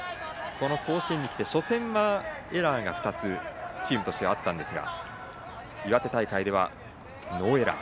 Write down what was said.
甲子園に来て初戦はエラーが２つチームとしてはあったんですが岩手大会ではノーエラー。